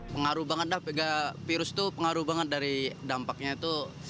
pengaruh banget dah virus itu pengaruh banget dari dampaknya itu